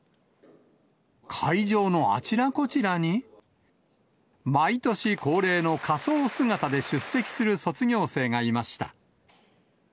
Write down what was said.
会場のあちらこちらに、毎年恒例の仮装姿で出席する卒業生がいました。